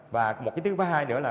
và một cái thứ thứ hai nữa là